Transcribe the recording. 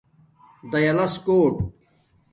دایلس کوٹ